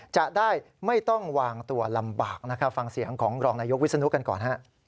จะได้ไม่ต้องวางตัวลำบากนะครับฟังเสียงของรองนายกวิศนุกันก่อนฮะ